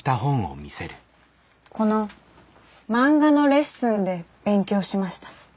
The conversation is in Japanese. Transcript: この「まんがのレッスン」で勉強しました。